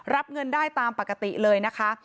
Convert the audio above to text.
รับเงินได้ตามปกติเลยนะคะ